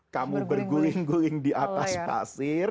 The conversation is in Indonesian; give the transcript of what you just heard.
kamu berguling guling di atas pasir